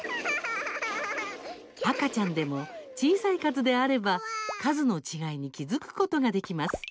赤ちゃんでも、小さい数であれば数の違いに気付くことができます。